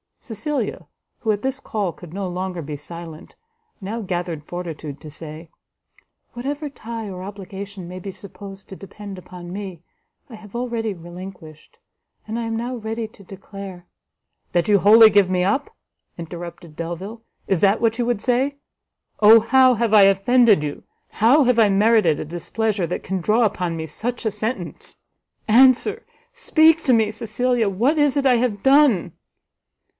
Cecilia, who at this call could no longer be silent, now gathered fortitude to say, "Whatever tie or obligation may be supposed to depend upon me, I have already relinquished; and I am now ready to declare " "That you wholly give me up?" interrupted Delvile, "is that what you would say? Oh how have I offended you? how have I merited a displeasure that can draw upon me such a sentence? Answer, speak to me, Cecilia, what is it I have done?"